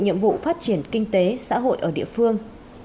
nhiệm vụ phát triển kinh tế xã hội ở địa phương